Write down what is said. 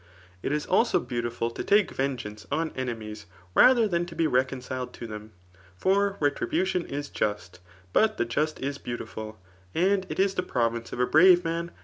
It is also beautiful to take ven geance on enemies rather than to be reconciled to them. For retribution is just ; but the just is beautiful y and it is the province of a byaye pun x«?